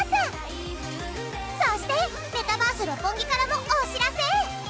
そしてメタバース六本木からもお知らせ。